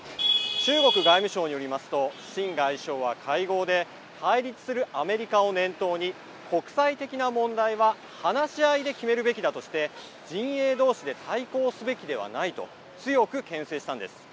中国外務省によりますと秦外相は会合で対立するアメリカを念頭に国際的な問題は話し合いで決めるべきだとして陣営同士で対抗すべきではないと強くけん制したんです。